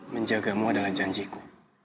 menjagamu adalah janjiku